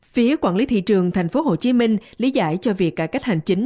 phía quản lý thị trường thành phố hồ chí minh lý giải cho việc cải cách hành chính